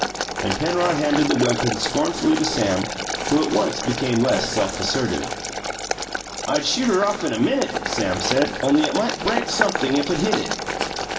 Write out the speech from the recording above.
And Penrod handed the weapon scornfully to Sam, who at once became less self assertive. "I'd shoot her off in a minute," Sam said, "only it might break sumpthing if it hit it."